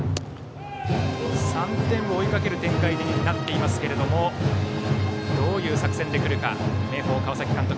３点を追いかける展開になっていますけれどもどういう作戦でくるか明豊の川崎監督。